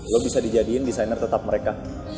lo bisa dijadikan desainer tetap mereka